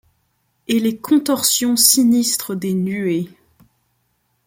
Et les contorsions sinistres des nuées.